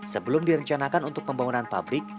sebelum direncanakan untuk pembangunan pabrik